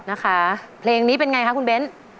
นะคะเพลงนี้เป็นไงคะคุณเบ้น